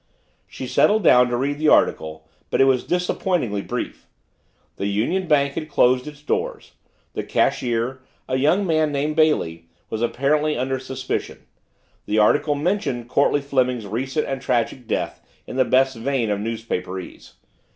She settled down to read the article but it was disappointingly brief. The Union Bank had closed its doors; the cashier, a young man named Bailey, was apparently under suspicion; the article mentioned Courtleigh Fleming's recent and tragic death in the best vein of newspaperese.